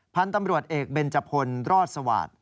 พันธุ์ตำรวจเอกเบนจพลรอดสวาสตร์